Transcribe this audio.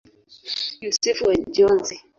Yosefu wa Njozi.